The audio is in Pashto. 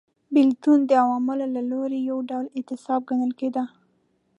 بېلتون د عوامو له لوري یو ډول اعتصاب ګڼل کېده